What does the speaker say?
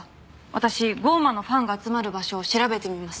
私『降魔』のファンが集まる場所を調べてみます。